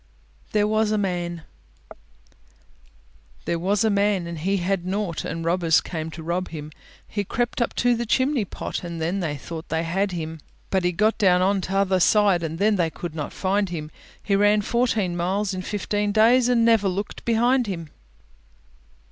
THERE WAS A MAN There was a man, and he had nought, And robbers came to rob him; He crept up to the chimney pot, And then they thought they had him; But he got down on t'other side, And then they could not find him; He ran fourteen miles in fifteen days, And never looked behind him.